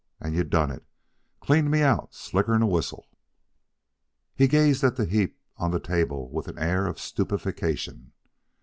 And you done it cleaned me out slicker'n a whistle." He gazed at the heap on the table with an air of stupefaction.